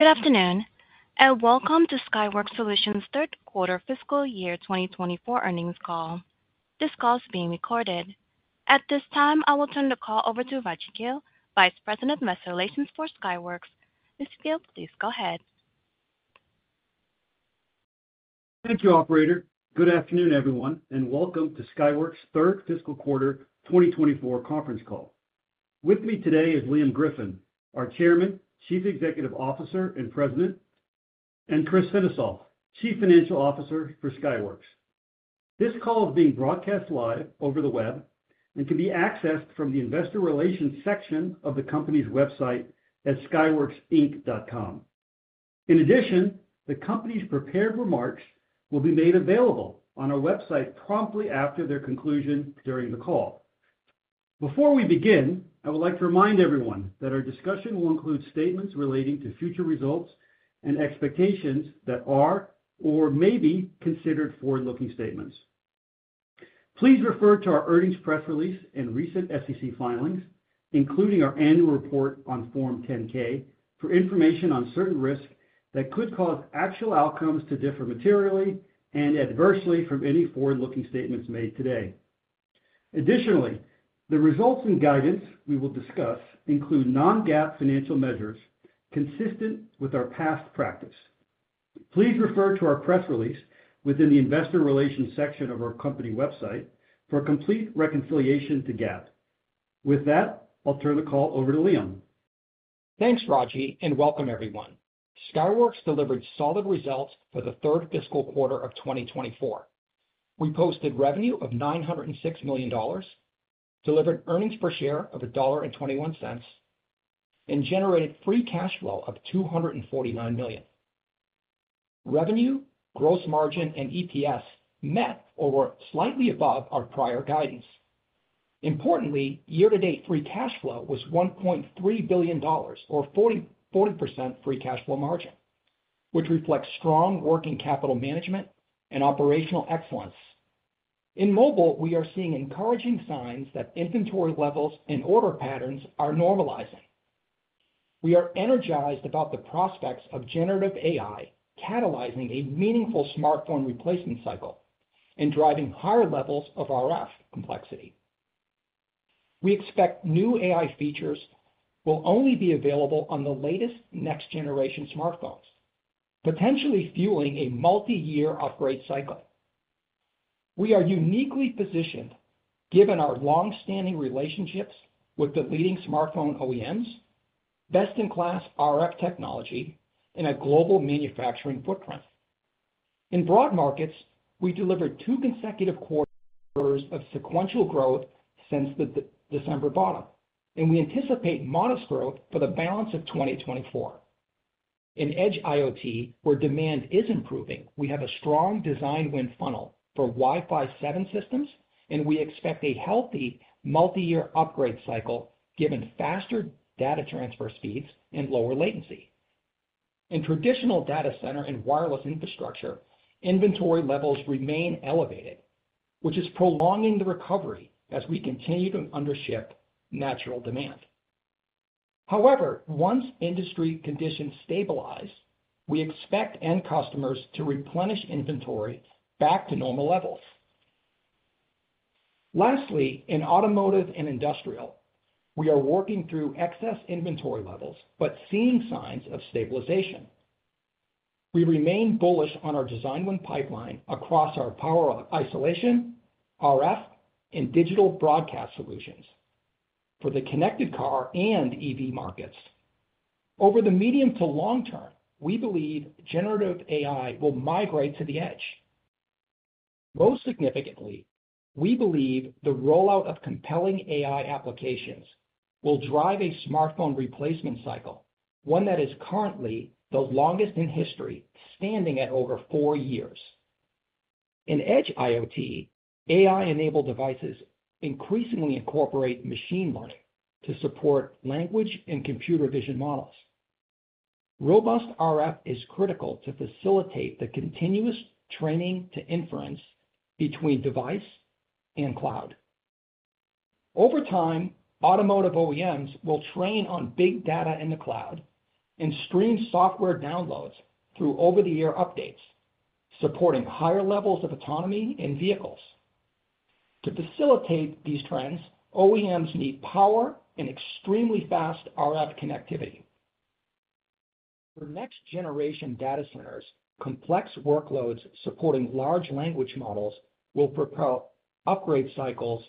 Good afternoon. Welcome to Skyworks Solutions' Third Quarter Fiscal Year 2024 Earnings Call. This call is being recorded. At this time, I will turn the call over to Raji Gill, Vice President of Investor Relations for Skyworks. Mr. Gill, please go ahead. Thank you, Operator. Good afternoon, everyone, and welcome to Skyworks' third fiscal quarter 2024 conference call. With me today is Liam Griffin, our Chairman, Chief Executive Officer, and President, and Kris Sennesaal, Chief Financial Officer for Skyworks. This call is being broadcast live over the web and can be accessed from the Investor Relations section of the company's website at skyworksinc.com. In addition, the company's prepared remarks will be made available on our website promptly after their conclusion during the call. Before we begin, I would like to remind everyone that our discussion will include statements relating to future results and expectations that are or may be considered forward-looking statements. Please refer to our earnings press release and recent SEC filings, including our annual report on Form 10-K, for information on certain risks that could cause actual outcomes to differ materially and adversely from any forward-looking statements made today. Additionally, the results and guidance we will discuss include non-GAAP financial measures consistent with our past practice. Please refer to our press release within the Investor Relations section of our company website for a complete reconciliation to GAAP. With that, I'll turn the call over to Liam. Thanks, Raji, and welcome, everyone. Skyworks delivered solid results for the third fiscal quarter of 2024. We posted revenue of $906 million, delivered earnings per share of $1.21, and generated free cash flow of $249 million. Revenue, gross margin, and EPS met or were slightly above our prior guidance. Importantly, year-to-date free cash flow was $1.3 billion, or 40% free cash flow margin, which reflects strong working capital management and operational excellence. In mobile, we are seeing encouraging signs that inventory levels and order patterns are normalizing. We are energized about the prospects of generative AI catalyzing a meaningful smartphone replacement cycle and driving higher levels of RF complexity. We expect new AI features will only be available on the latest next-generation smartphones, potentially fueling a multi-year upgrade cycle. We are uniquely positioned given our long-standing relationships with the leading smartphone OEMs, best-in-class RF technology, and a global manufacturing footprint. In broad markets, we delivered two consecutive quarters of sequential growth since the December bottom, and we anticipate modest growth for the balance of 2024. In edge IoT, where demand is improving, we have a strong design win funnel for Wi-Fi 7 systems, and we expect a healthy multi-year upgrade cycle given faster data transfer speeds and lower latency. In traditional data center and wireless infrastructure, inventory levels remain elevated, which is prolonging the recovery as we continue to undership natural demand. However, once industry conditions stabilize, we expect end customers to replenish inventory back to normal levels. Lastly, in automotive and industrial, we are working through excess inventory levels but seeing signs of stabilization. We remain bullish on our design win pipeline across our power isolation, RF, and digital broadcast solutions for the connected car and EV markets. Over the medium to long term, we believe generative AI will migrate to the edge. Most significantly, we believe the rollout of compelling AI applications will drive a smartphone replacement cycle, one that is currently the longest in history, standing at over four years. In edge IoT, AI-enabled devices increasingly incorporate machine learning to support language and computer vision models. Robust RF is critical to facilitate the continuous training to inference between device and cloud. Over time, automotive OEMs will train on big data in the cloud and stream software downloads through over-the-air updates, supporting higher levels of autonomy in vehicles. To facilitate these trends, OEMs need power and extremely fast RF connectivity. For next-generation data centers, complex workloads supporting large language models will propel upgrade cycles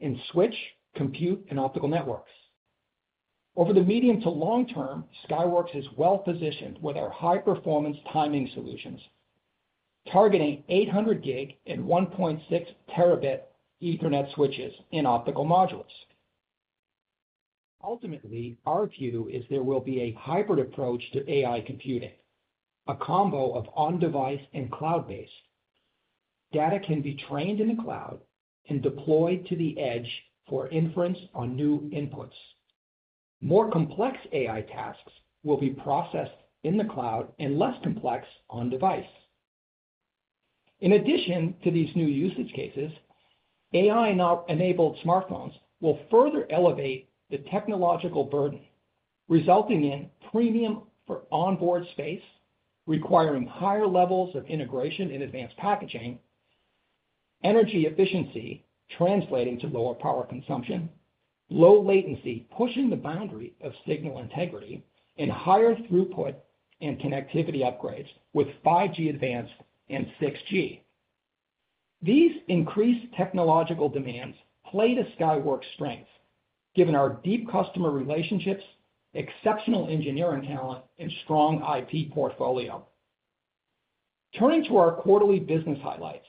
in switch, compute, and optical networks. Over the medium to long term, Skyworks is well positioned with our high-performance timing solutions, targeting 800G and 1.6 Terabit Ethernet switches and optical modules. Ultimately, our view is there will be a hybrid approach to AI computing, a combo of on-device and cloud-based. Data can be trained in the cloud and deployed to the edge for inference on new inputs. More complex AI tasks will be processed in the cloud and less complex on-device. In addition to these new usage cases, AI-enabled smartphones will further elevate the technological burden, resulting in premium for onboard space, requiring higher levels of integration and advanced packaging, energy efficiency translating to lower power consumption, low latency pushing the boundary of signal integrity, and higher throughput and connectivity upgrades with 5G Advanced and 6G. These increased technological demands play to Skyworks' strengths, given our deep customer relationships, exceptional engineering talent, and strong IP portfolio. Turning to our quarterly business highlights,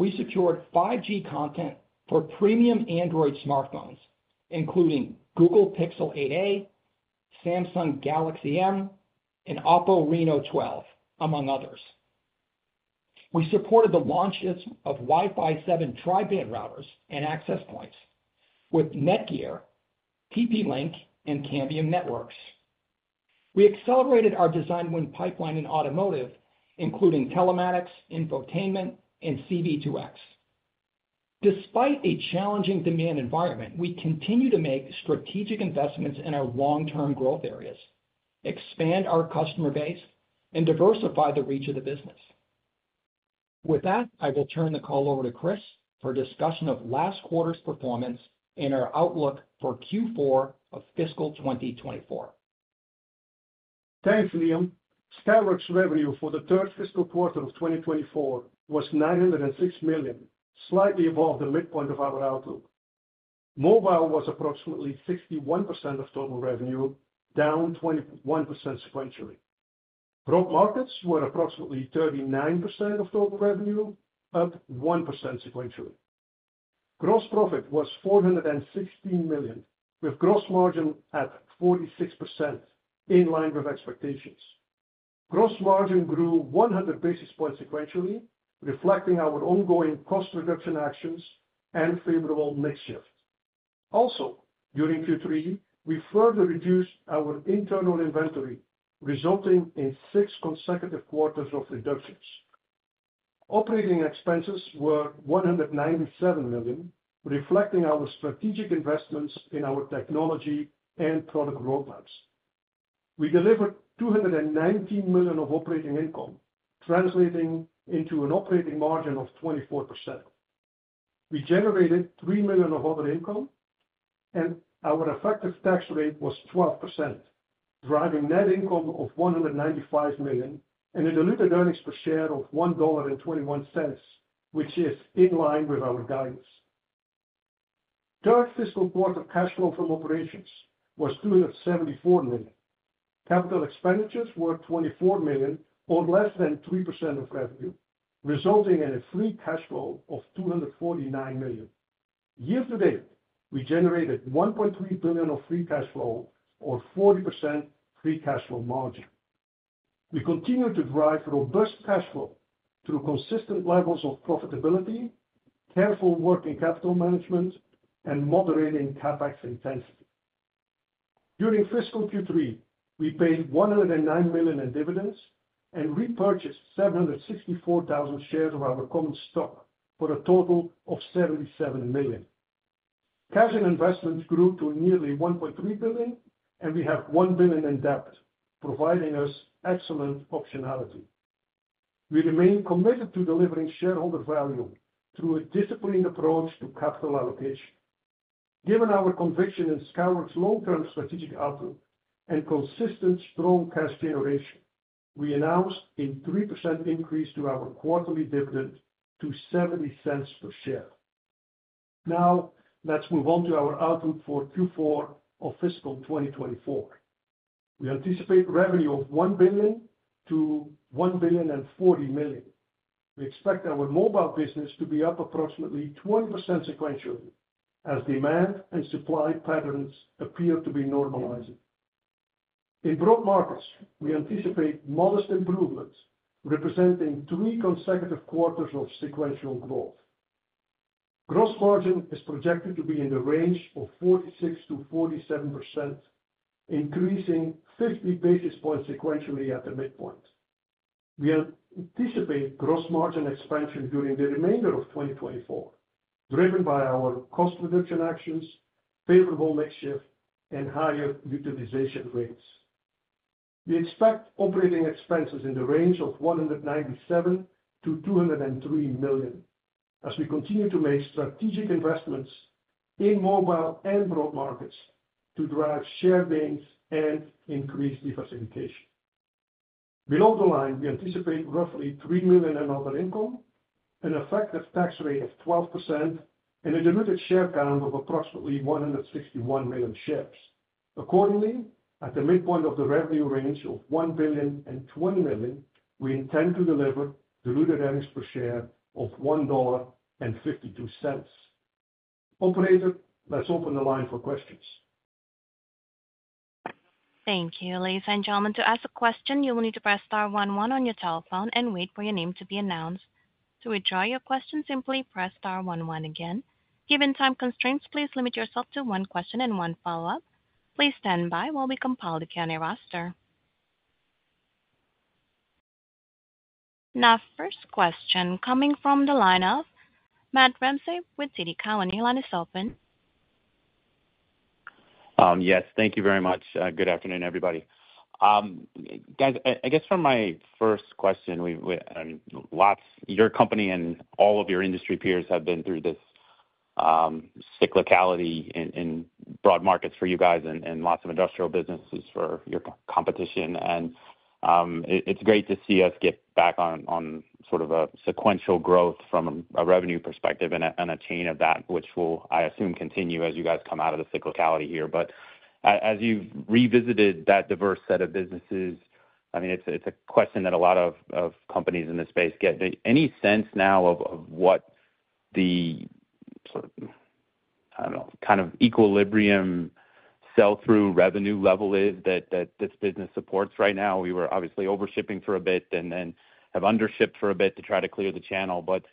we secured 5G content for premium Android smartphones, including Google Pixel 8a, Samsung Galaxy M, and OPPO Reno12, among others. We supported the launches of Wi-Fi 7 tri-band routers and access points with NETGEAR, TP-Link, and Cambium Networks. We accelerated our design win pipeline in automotive, including telematics, infotainment, and C-V2X. Despite a challenging demand environment, we continue to make strategic investments in our long-term growth areas, expand our customer base, and diversify the reach of the business. With that, I will turn the call over to Kris for a discussion of last quarter's performance and our outlook for Q4 of fiscal 2024. Thanks, Liam. Skyworks' revenue for the third fiscal quarter of 2024 was $906 million, slightly above the midpoint of our outlook. Mobile was approximately 61% of total revenue, down 21% sequentially. Broad markets were approximately 39% of total revenue, up 1% sequentially. Gross profit was $416 million, with gross margin at 46%, in line with expectations. Gross margin grew 100 basis points sequentially, reflecting our ongoing cost reduction actions and favorable mix shift. Also, during Q3, we further reduced our internal inventory, resulting in six consecutive quarters of reductions. Operating expenses were $197 million, reflecting our strategic investments in our technology and product roadmaps. We delivered $219 million of operating income, translating into an operating margin of 24%. We generated $3 million of other income, and our effective tax rate was 12%, driving net income of $195 million and a diluted earnings per share of $1.21, which is in line with our guidance. Third fiscal quarter cash flow from operations was $274 million. Capital expenditures were $24 million, or less than 3% of revenue, resulting in a free cash flow of $249 million. Year-to-date, we generated $1.3 billion of free cash flow, or 40% free cash flow margin. We continue to drive robust cash flow through consistent levels of profitability, careful working capital management, and moderating CapEx intensity. During fiscal Q3, we paid $109 million in dividends and repurchased 764,000 shares of our common stock for a total of $77 million. Cash and investments grew to nearly $1.3 billion, and we have $1 billion in debt, providing us excellent optionality. We remain committed to delivering shareholder value through a disciplined approach to capital allocation. Given our conviction in Skyworks' long-term strategic outlook and consistent strong cash generation, we announced a 3% increase to our quarterly dividend to $0.70 per share. Now, let's move on to our outlook for Q4 of fiscal 2024. We anticipate revenue of $1 billion-$1.04 billion. We expect our mobile business to be up approximately 20% sequentially as demand and supply patterns appear to be normalizing. In broad markets, we anticipate modest improvements, representing three consecutive quarters of sequential growth. Gross margin is projected to be in the range of 46%-47%, increasing 50 basis points sequentially at the midpoint. We anticipate gross margin expansion during the remainder of 2024, driven by our cost reduction actions, favorable mix shift, and higher utilization rates. We expect operating expenses in the range of $197 million-$203 million as we continue to make strategic investments in mobile and broad markets to drive share gains and increase diversification. Below the line, we anticipate roughly $3 million in other income, an effective tax rate of 12%, and a diluted share count of approximately 161 million shares. Accordingly, at the midpoint of the revenue range of $1 billion and $20 million, we intend to deliver diluted earnings per share of $1.52. Operator, let's open the line for questions. Thank you, ladies and gentlemen. To ask a question, you will need to press star one one on your telephone and wait for your name to be announced. To withdraw your question, simply press star one one again. Given time constraints, please limit yourself to one question and one follow-up. Please stand by while we compile the candidate roster. Now, first question coming from the line of Matt Ramsay with TD Cowen. Line is open. Yes, thank you very much. Good afternoon, everybody. Guys, I guess for my first question, your company and all of your industry peers have been through this cyclicality in broad markets for you guys and lots of industrial businesses for your competition. And it's great to see us get back on sort of a sequential growth from a revenue perspective and a chain of that, which will, I assume, continue as you guys come out of the cyclicality here. But as you've revisited that diverse set of businesses, I mean, it's a question that a lot of companies in this space get. Any sense now of what the, I don't know, kind of equilibrium sell-through revenue level is that this business supports right now? We were obviously overshipping for a bit and then have undershipped for a bit to try to clear the channel. But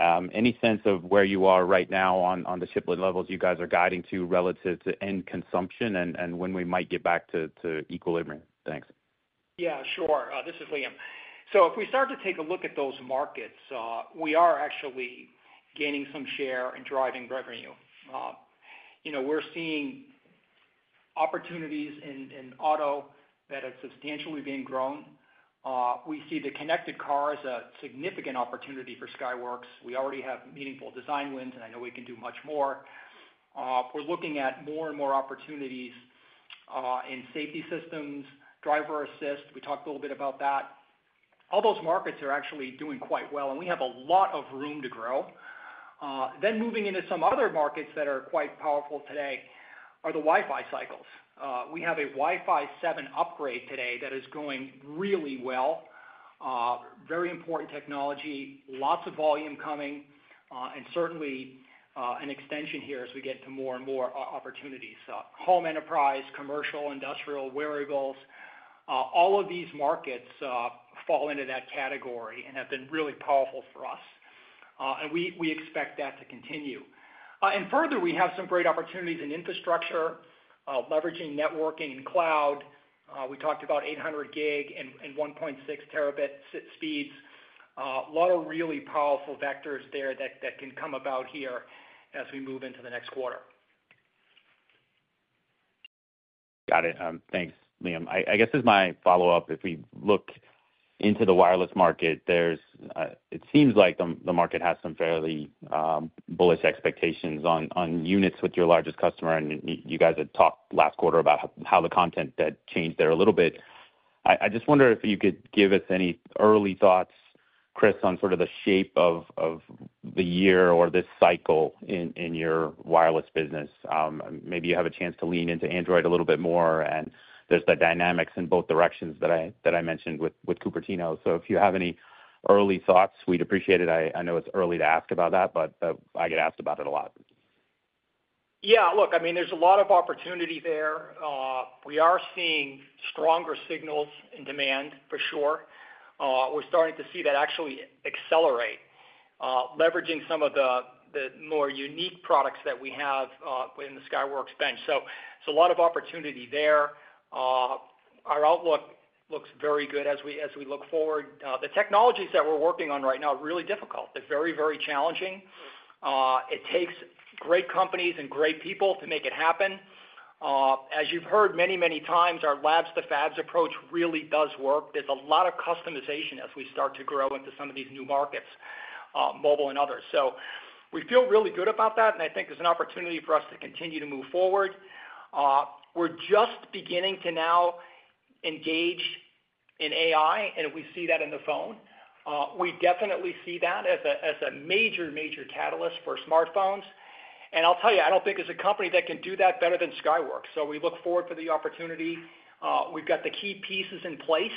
any sense of where you are right now on the shipment levels you guys are guiding to relative to end consumption and when we might get back to equilibrium? Thanks. Yeah, sure. This is Liam. So if we start to take a look at those markets, we are actually gaining some share and driving revenue. We're seeing opportunities in auto that have substantially been grown. We see the connected car as a significant opportunity for Skyworks. We already have meaningful design wins, and I know we can do much more. We're looking at more and more opportunities in safety systems, driver assist. We talked a little bit about that. All those markets are actually doing quite well, and we have a lot of room to grow. Then moving into some other markets that are quite powerful today are the Wi-Fi cycles. We have a Wi-Fi 7 upgrade today that is going really well. Very important technology, lots of volume coming, and certainly an extension here as we get to more and more opportunities. Home enterprise, commercial, industrial, wearables, all of these markets fall into that category and have been really powerful for us. And we expect that to continue. And further, we have some great opportunities in infrastructure, leveraging networking and cloud. We talked about 800 gig and 1.6 terabit speeds. A lot of really powerful vectors there that can come about here as we move into the next quarter. Got it. Thanks, Liam. I guess this is my follow-up. If we look into the wireless market, it seems like the market has some fairly bullish expectations on units with your largest customer. And you guys had talked last quarter about how the content that changed there a little bit. I just wonder if you could give us any early thoughts, Kris, on sort of the shape of the year or this cycle in your wireless business. Maybe you have a chance to lean into Android a little bit more, and there's the dynamics in both directions that I mentioned with Cupertino. So if you have any early thoughts, we'd appreciate it. I know it's early to ask about that, but I get asked about it a lot. Yeah, look, I mean, there's a lot of opportunity there. We are seeing stronger signals in demand, for sure. We're starting to see that actually accelerate, leveraging some of the more unique products that we have in the Skyworks bench. So it's a lot of opportunity there. Our outlook looks very good as we look forward. The technologies that we're working on right now are really difficult. They're very, very challenging. It takes great companies and great people to make it happen. As you've heard many, many times, our labs-to-fabs approach really does work. There's a lot of customization as we start to grow into some of these new markets, mobile and others. So we feel really good about that, and I think there's an opportunity for us to continue to move forward. We're just beginning to now engage in AI, and we see that in the phone. We definitely see that as a major, major catalyst for smartphones. I'll tell you, I don't think there's a company that can do that better than Skyworks. We look forward to the opportunity. We've got the key pieces in place,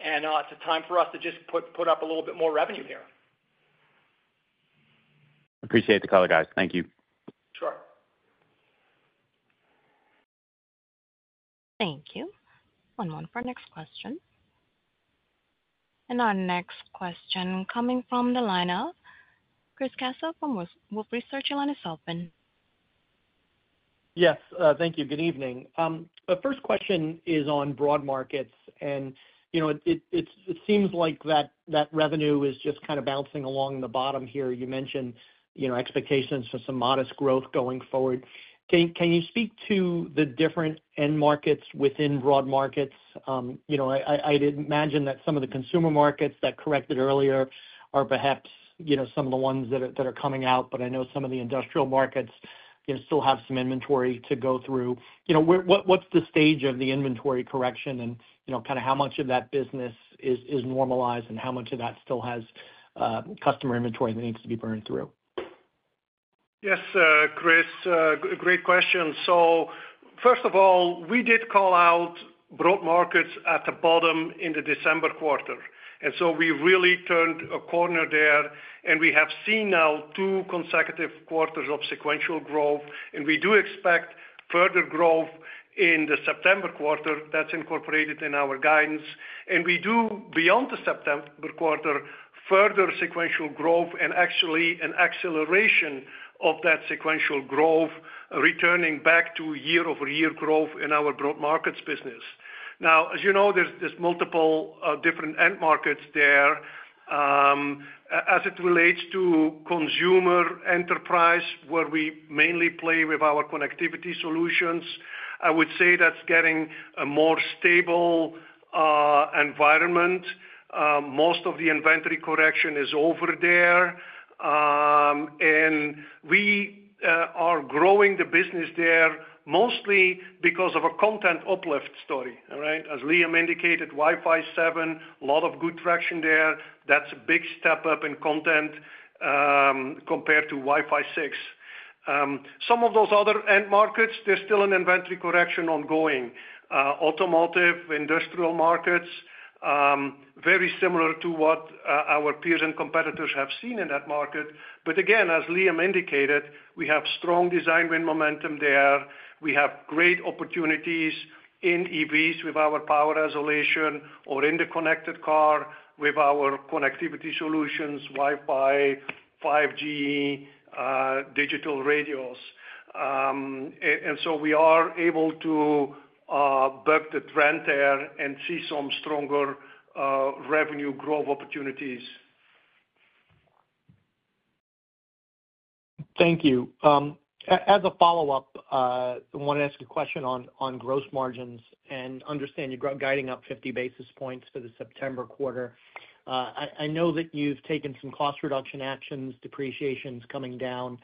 and it's a time for us to just put up a little bit more revenue here. Appreciate the call, guys. Thank you. Sure. Thank you. One more for our next question. Our next question coming from the line of Chris Caso, Wolfe Research, and the line is open. Yes, thank you. Good evening. The first question is on broad markets. And it seems like that revenue is just kind of bouncing along the bottom here. You mentioned expectations for some modest growth going forward. Can you speak to the different end markets within broad markets? I'd imagine that some of the consumer markets that corrected earlier are perhaps some of the ones that are coming out, but I know some of the industrial markets still have some inventory to go through. What's the stage of the inventory correction and kind of how much of that business is normalized and how much of that still has customer inventory that needs to be burned through? Yes, Kris, great question. So first of all, we did call out broad markets at the bottom in the December quarter. And so we really turned a corner there, and we have seen now 2 consecutive quarters of sequential growth. And we do expect further growth in the September quarter. That's incorporated in our guidance. And we do, beyond the September quarter, further sequential growth and actually an acceleration of that sequential growth, returning back to year-over-year growth in our broad markets business. Now, as you know, there's multiple different end markets there. As it relates to consumer enterprise, where we mainly play with our connectivity solutions, I would say that's getting a more stable environment. Most of the inventory correction is over there. And we are growing the business there mostly because of a content uplift story, all right? As Liam indicated, Wi-Fi 7, a lot of good traction there. That's a big step up in content compared to Wi-Fi 6. Some of those other end markets, there's still an inventory correction ongoing. Automotive, industrial markets, very similar to what our peers and competitors have seen in that market. But again, as Liam indicated, we have strong design win momentum there. We have great opportunities in EVs with our power isolation or in the connected car with our connectivity solutions, Wi-Fi, 5G, digital radios. And so we are able to buck the trend there and see some stronger revenue growth opportunities. Thank you. As a follow-up, I want to ask a question on gross margins and understand you're guiding up 50 basis points for the September quarter. I know that you've taken some cost reduction actions, depreciation's coming down.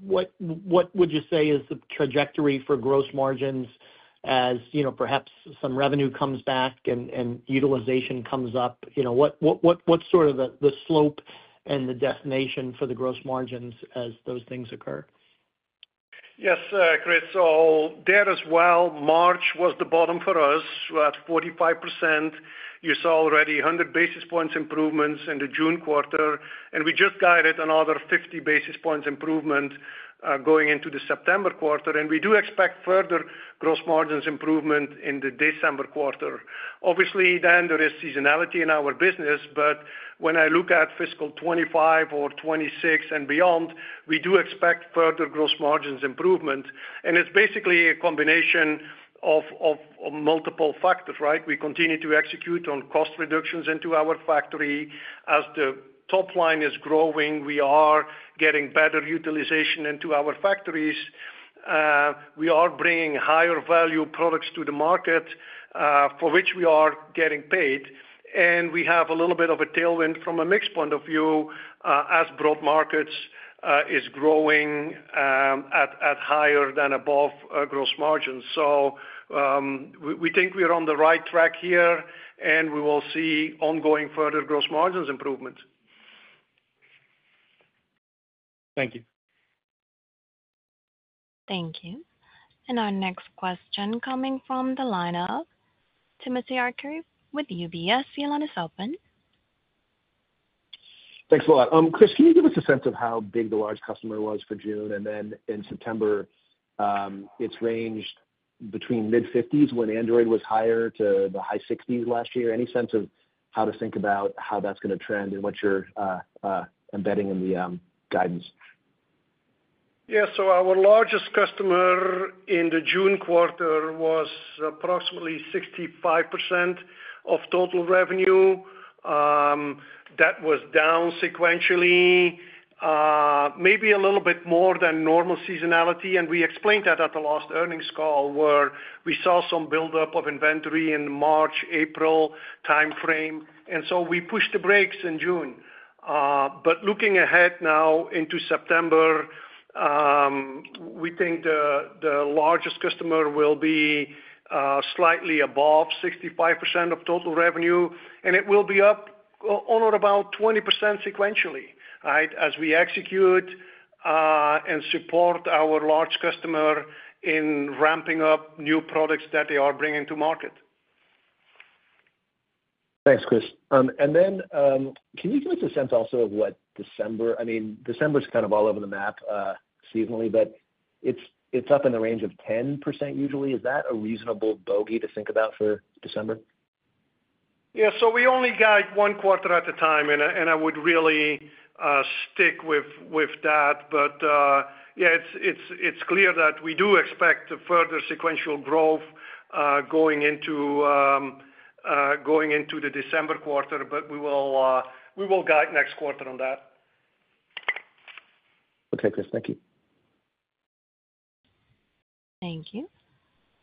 What would you say is the trajectory for gross margins as perhaps some revenue comes back and utilization comes up? What's sort of the slope and the destination for the gross margins as those things occur? Yes, Kris. So there as well, March was the bottom for us at 45%. You saw already 100 basis points improvements in the June quarter. And we just guided another 50 basis points improvement going into the September quarter. And we do expect further gross margins improvement in the December quarter. Obviously, then there is seasonality in our business, but when I look at fiscal 2025 or 2026 and beyond, we do expect further gross margins improvement. And it's basically a combination of multiple factors, right? We continue to execute on cost reductions into our factory. As the top line is growing, we are getting better utilization into our factories. We are bringing higher value products to the market for which we are getting paid. We have a little bit of a tailwind from a mixed point of view as broad markets is growing at higher than above gross margins. We think we are on the right track here, and we will see ongoing further gross margins improvement. Thank you. Thank you. Our next question coming from the line of Timothy Arcuri with UBS. The line is open. Thanks a lot. Kris, can you give us a sense of how big the large customer was for June? And then in September, it's ranged between mid-50s when Android was higher to the high 60s last year. Any sense of how to think about how that's going to trend and what you're embedding in the guidance? Yeah, so our largest customer in the June quarter was approximately 65% of total revenue. That was down sequentially, maybe a little bit more than normal seasonality. We explained that at the last earnings call where we saw some buildup of inventory in March, April timeframe. So we pushed the brakes in June. Looking ahead now into September, we think the largest customer will be slightly above 65% of total revenue. It will be up on or about 20% sequentially, right, as we execute and support our large customer in ramping up new products that they are bringing to market. Thanks, Kris. And then can you give us a sense also of what December? I mean, December's kind of all over the map seasonally, but it's up in the range of 10% usually. Is that a reasonable bogey to think about for December? Yeah, so we only guide one quarter at a time, and I would really stick with that. But yeah, it's clear that we do expect further sequential growth going into the December quarter, but we will guide next quarter on that. Okay, Kris, thank you. Thank you.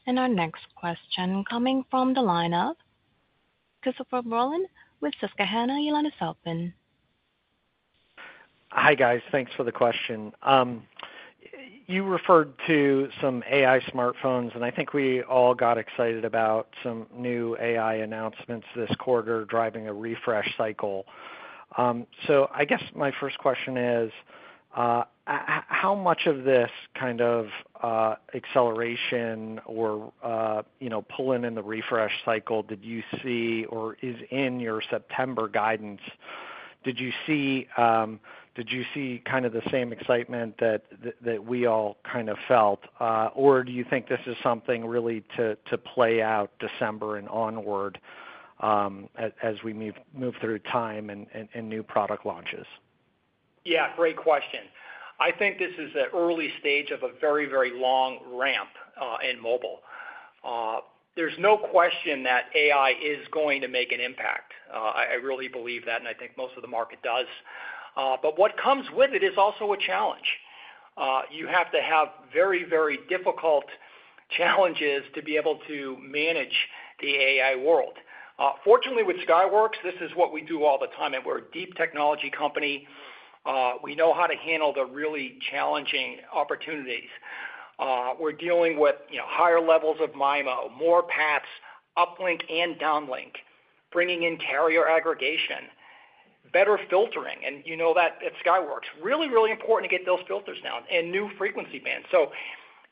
And our next question coming from the line of Christopher Rolland with Susquehanna. The line is open. Hi guys, thanks for the question. You referred to some AI smartphones, and I think we all got excited about some new AI announcements this quarter driving a refresh cycle. So I guess my first question is, how much of this kind of acceleration or pulling in the refresh cycle did you see or is in your September guidance? Did you see kind of the same excitement that we all kind of felt? Or do you think this is something really to play out December and onward as we move through time and new product launches? Yeah, great question. I think this is the early stage of a very, very long ramp in mobile. There's no question that AI is going to make an impact. I really believe that, and I think most of the market does. But what comes with it is also a challenge. You have to have very, very difficult challenges to be able to manage the AI world. Fortunately, with Skyworks, this is what we do all the time. And we're a deep technology company. We know how to handle the really challenging opportunities. We're dealing with higher levels of MIMO, more paths, uplink and downlink, bringing in carrier aggregation, better filtering. And you know that at Skyworks. Really, really important to get those filters down and new frequency bands. So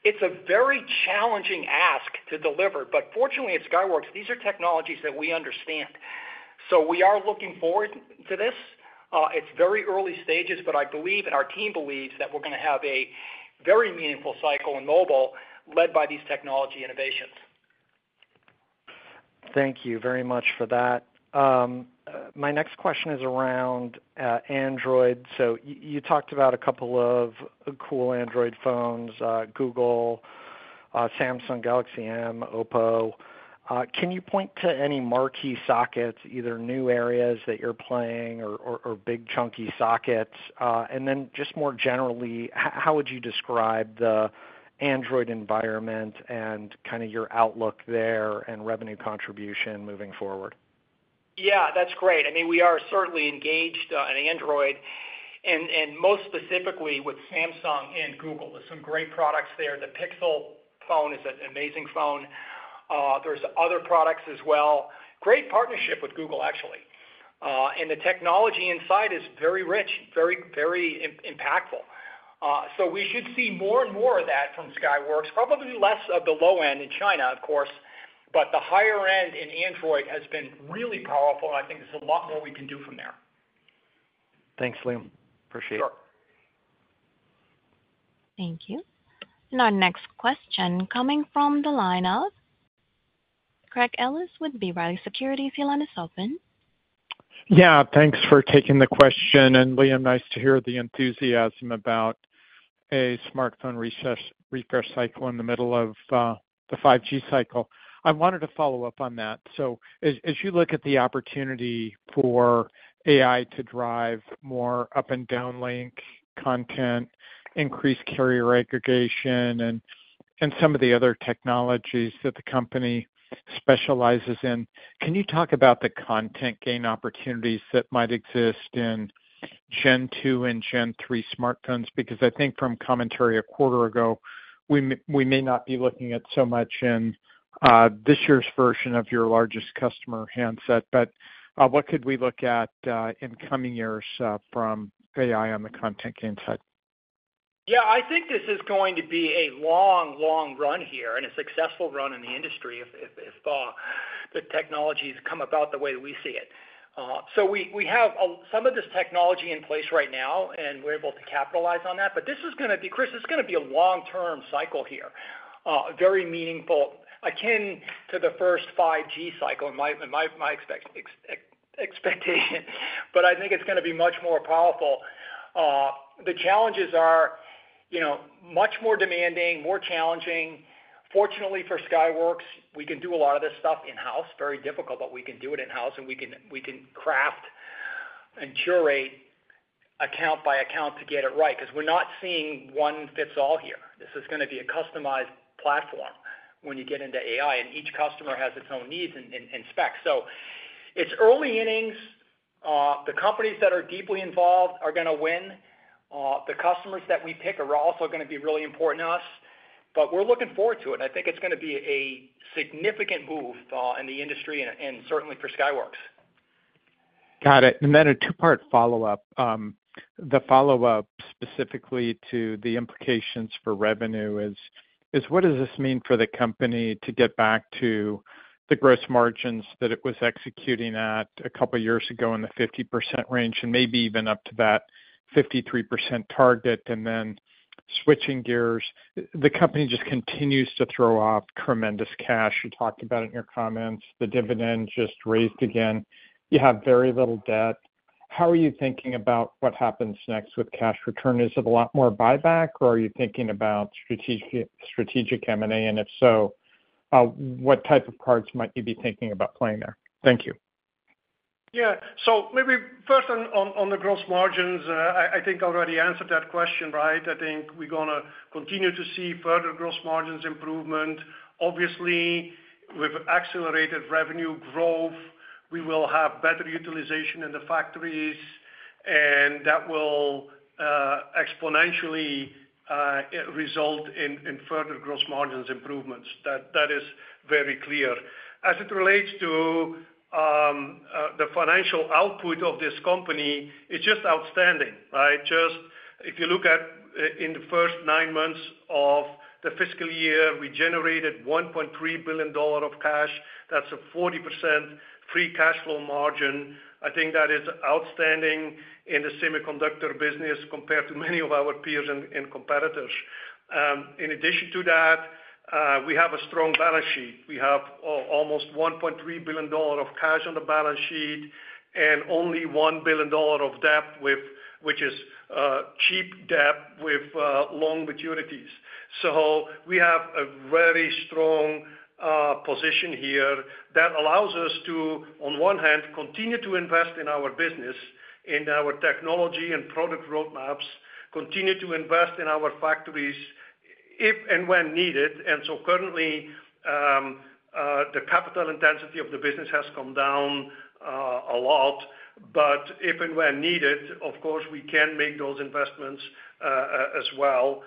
it's a very challenging ask to deliver. But fortunately, at Skyworks, these are technologies that we understand. So we are looking forward to this. It's very early stages, but I believe, and our team believes that we're going to have a very meaningful cycle in mobile led by these technology innovations. Thank you very much for that. My next question is around Android. So you talked about a couple of cool Android phones: Google, Samsung Galaxy M, OPPO. Can you point to any marquee sockets, either new areas that you're playing or big chunky sockets? And then just more generally, how would you describe the Android environment and kind of your outlook there and revenue contribution moving forward? Yeah, that's great. I mean, we are certainly engaged in Android and most specifically with Samsung and Google. There's some great products there. The Pixel phone is an amazing phone. There's other products as well. Great partnership with Google, actually. And the technology inside is very rich, very impactful. So we should see more and more of that from Skyworks. Probably less of the low end in China, of course, but the higher end in Android has been really powerful. I think there's a lot more we can do from there. Thanks, Liam. Appreciate it. Sure. Thank you. Our next question coming from the line of Craig Ellis with B. Riley Securities. Your line is open. Yeah, thanks for taking the question. Liam, nice to hear the enthusiasm about a smartphone refresh cycle in the middle of the 5G cycle. I wanted to follow up on that. As you look at the opportunity for AI to drive more up and downlink content, increase carrier aggregation, and some of the other technologies that the company specializes in, can you talk about the content gain opportunities that might exist in Gen 2 and Gen 3 smartphones? Because I think from commentary a quarter ago, we may not be looking at so much in this year's version of your largest customer handset. What could we look at in coming years from AI on the content gain side? Yeah, I think this is going to be a long, long run here and a successful run in the industry if the technology has come about the way that we see it. So we have some of this technology in place right now, and we're able to capitalize on that. But this is going to be, Kris, it's going to be a long-term cycle here. Very meaningful akin to the first 5G cycle in my expectation. But I think it's going to be much more powerful. The challenges are much more demanding, more challenging. Fortunately for Skyworks, we can do a lot of this stuff in-house. Very difficult, but we can do it in-house. And we can craft and curate account by account to get it right because we're not seeing one fits all here. This is going to be a customized platform when you get into AI. And each customer has its own needs and specs. So it's early innings. The companies that are deeply involved are going to win. The customers that we pick are also going to be really important to us. But we're looking forward to it. I think it's going to be a significant move in the industry and certainly for Skyworks. Got it. And then a two-part follow-up. The follow-up specifically to the implications for revenue is what does this mean for the company to get back to the gross margins that it was executing at a couple of years ago in the 50% range and maybe even up to that 53% target and then switching gears? The company just continues to throw off tremendous cash. You talked about it in your comments. The dividend just raised again. You have very little debt. How are you thinking about what happens next with cash return? Is it a lot more buyback, or are you thinking about strategic M&A? And if so, what type of cards might you be thinking about playing there? Thank you. Yeah. So maybe first on the gross margins, I think I already answered that question, right? I think we're going to continue to see further gross margins improvement. Obviously, with accelerated revenue growth, we will have better utilization in the factories, and that will exponentially result in further gross margins improvements. That is very clear. As it relates to the financial output of this company, it's just outstanding, right? Just, if you look at in the first nine months of the fiscal year, we generated $1.3 billion of cash. That's a 40% free cash flow margin. I think that is outstanding in the semiconductor business compared to many of our peers and competitors. In addition to that, we have a strong balance sheet. We have almost $1.3 billion of cash on the balance sheet and only $1 billion of debt, which is cheap debt with long maturities. We have a very strong position here that allows us to, on one hand, continue to invest in our business, in our technology and product roadmaps, continue to invest in our factories if and when needed. Currently, the capital intensity of the business has come down a lot. But if and when needed, of course, we can make those investments as well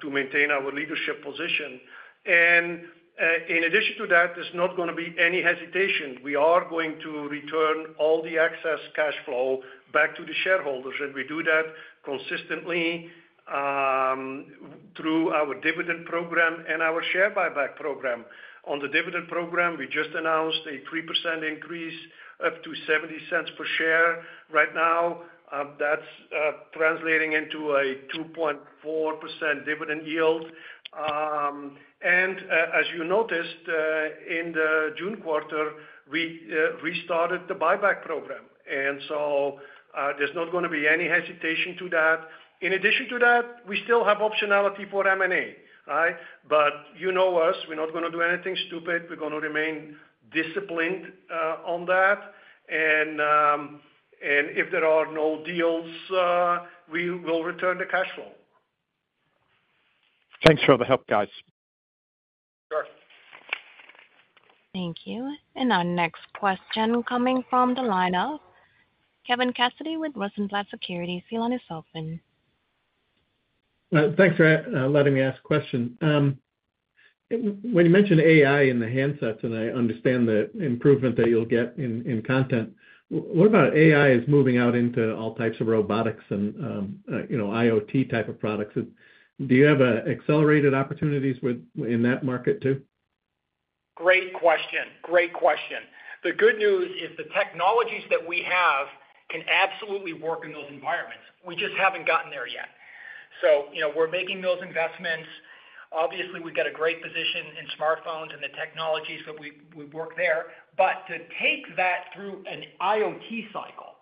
to maintain our leadership position. In addition to that, there's not going to be any hesitation. We are going to return all the excess cash flow back to the shareholders. We do that consistently through our dividend program and our share buyback program. On the dividend program, we just announced a 3% increase up to $0.70 per share. Right now, that's translating into a 2.4% dividend yield. As you noticed, in the June quarter, we restarted the buyback program. And so there's not going to be any hesitation to that. In addition to that, we still have optionality for M&A, right? But you know us, we're not going to do anything stupid. We're going to remain disciplined on that. And if there are no deals, we will return the cash flow. Thanks for the help, guys. Sure. Thank you. Our next question coming from the line of Kevin Cassidy with Rosenblatt Securities. Your line's open. Thanks for letting me ask a question. When you mentioned AI in the handsets, and I understand the improvement that you'll get in content. What about AI is moving out into all types of robotics and IoT type of products? Do you have accelerated opportunities in that market too? Great question. Great question. The good news is the technologies that we have can absolutely work in those environments. We just haven't gotten there yet. So we're making those investments. Obviously, we've got a great position in smartphones and the technologies that we work there. But to take that through an IoT cycle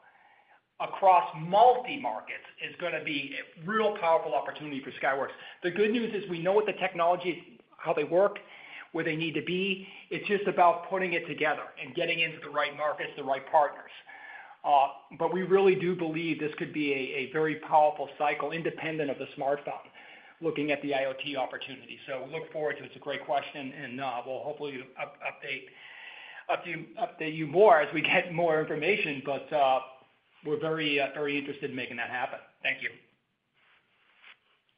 across multi-markets is going to be a real powerful opportunity for Skyworks. The good news is we know what the technology is, how they work, where they need to be. It's just about putting it together and getting into the right markets, the right partners. But we really do believe this could be a very powerful cycle independent of the smartphone, looking at the IoT opportunity. So we look forward to it. It's a great question, and we'll hopefully update you more as we get more information. But we're very, very interested in making that happen. Thank you.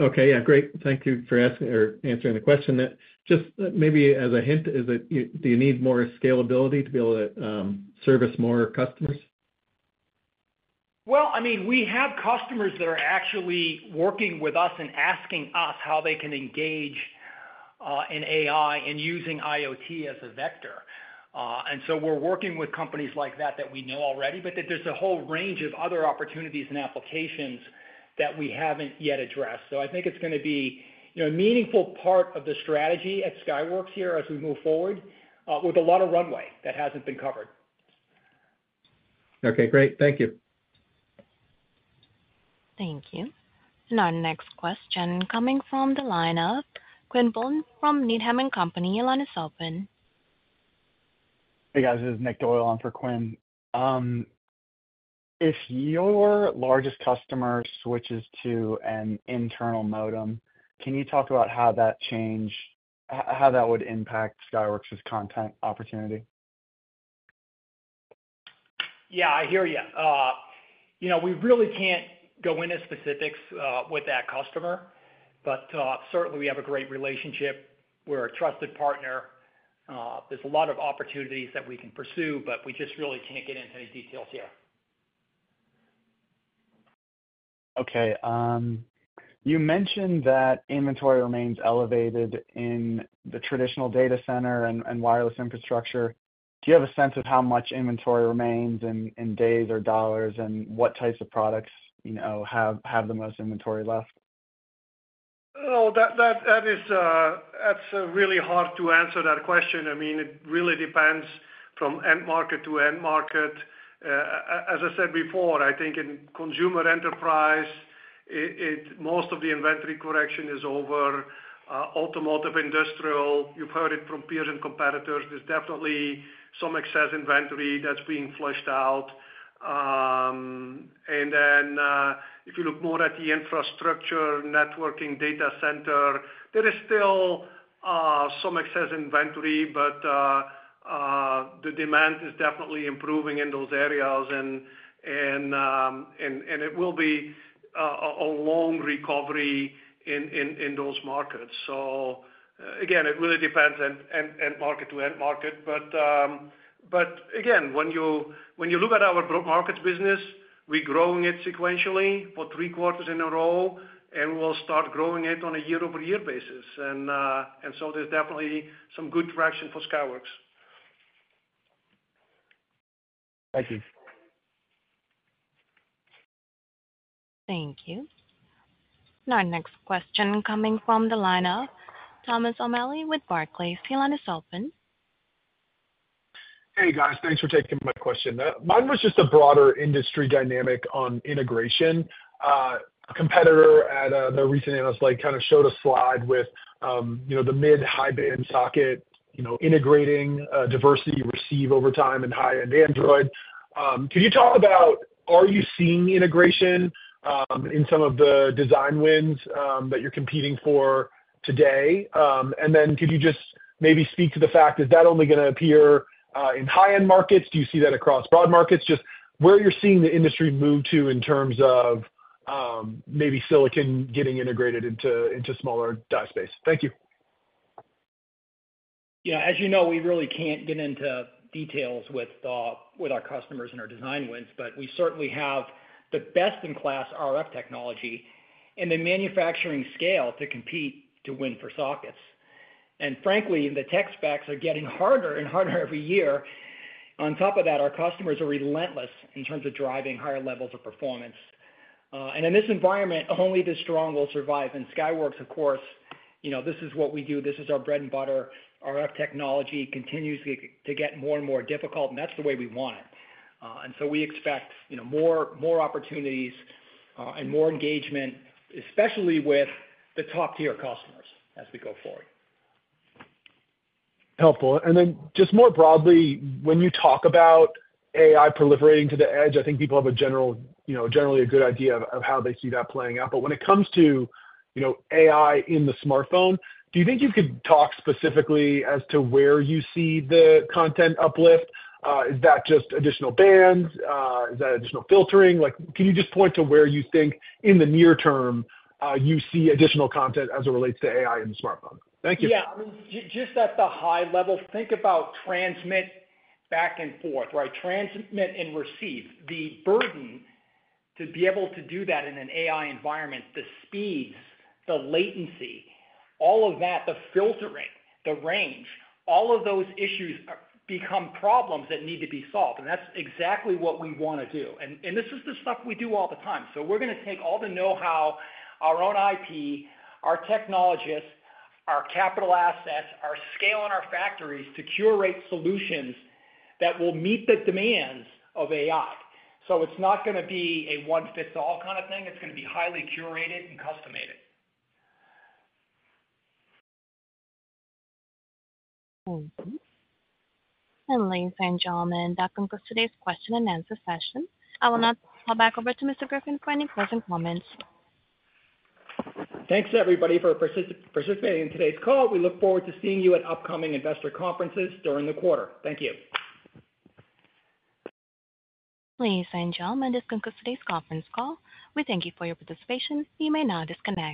Okay. Yeah, great. Thank you for answering the question. Just maybe as a hint, do you need more scalability to be able to service more customers? Well, I mean, we have customers that are actually working with us and asking us how they can engage in AI and using IoT as a vector. And so we're working with companies like that that we know already, but there's a whole range of other opportunities and applications that we haven't yet addressed. So I think it's going to be a meaningful part of the strategy at Skyworks here as we move forward with a lot of runway that hasn't been covered. Okay. Great. Thank you. Thank you. And our next question coming from the line of Quinn Bolton from Needham & Company. Your line is open. Hey, guys. This is Nick Doyle. I'm for Quinn. If your largest customer switches to an internal modem, can you talk about how that change, how that would impact Skyworks' content opportunity? Yeah, I hear you. We really can't go into specifics with that customer. But certainly, we have a great relationship. We're a trusted partner. There's a lot of opportunities that we can pursue, but we just really can't get into any details here. Okay. You mentioned that inventory remains elevated in the traditional data center and wireless infrastructure. Do you have a sense of how much inventory remains in days or dollars and what types of products have the most inventory left? Oh, that's really hard to answer that question. I mean, it really depends from end market to end market. As I said before, I think in consumer enterprise, most of the inventory correction is over. Automotive, industrial. You've heard it from peers and competitors. There's definitely some excess inventory that's being flushed out. And then if you look more at the infrastructure, networking, data center, there is still some excess inventory, but the demand is definitely improving in those areas. And it will be a long recovery in those markets. So again, it really depends on end market to end market. But again, when you look at our broad market business, we're growing it sequentially for three quarters in a row, and we'll start growing it on a year-over-year basis. And so there's definitely some good traction for Skyworks. Thank you. Thank you. Our next question coming from the line of Thomas O'Malley with Barclays. Your line is open. Hey, guys. Thanks for taking my question. Mine was just a broader industry dynamic on integration. A competitor at the recent analyst kind of showed a slide with the mid-high-band socket integrating diversity receive over time in high-end Android. Can you talk about, are you seeing integration in some of the design wins that you're competing for today? And then could you just maybe speak to the fact, is that only going to appear in high-end markets? Do you see that across broad markets? Just where you're seeing the industry move to in terms of maybe silicon getting integrated into smaller die space. Thank you. Yeah. As you know, we really can't get into details with our customers and our design wins, but we certainly have the best-in-class RF technology and the manufacturing scale to compete to win for sockets. And frankly, the tech specs are getting harder and harder every year. On top of that, our customers are relentless in terms of driving higher levels of performance. And in this environment, only the strong will survive. And Skyworks, of course, this is what we do. This is our bread and butter. RF technology continues to get more and more difficult, and that's the way we want it. And so we expect more opportunities and more engagement, especially with the top-tier customers as we go forward. Helpful. And then just more broadly, when you talk about AI proliferating to the edge, I think people have generally a good idea of how they see that playing out. But when it comes to AI in the smartphone, do you think you could talk specifically as to where you see the content uplift? Is that just additional bands? Is that additional filtering? Can you just point to where you think in the near term you see additional content as it relates to AI in the smartphone? Thank you. Yeah. I mean, just at the high level, think about transmit back and forth, right? Transmit and receive. The burden to be able to do that in an AI environment, the speeds, the latency, all of that, the filtering, the range, all of those issues become problems that need to be solved. And that's exactly what we want to do. And this is the stuff we do all the time. So we're going to take all the know-how, our own IP, our technologists, our capital assets, our scale in our factories to curate solutions that will meet the demands of AI. So it's not going to be a one-fits-all kind of thing. It's going to be highly curated and customized. Thank you. And ladies and gentlemen, that concludes today's question and answer session. I will now call back over to Mr. Griffin for any closing comments. Thanks, everybody, for participating in today's call. We look forward to seeing you at upcoming investor conferences during the quarter. Thank you. Ladies and gentlemen, this concludes today's conference call. We thank you for your participation. You may now disconnect.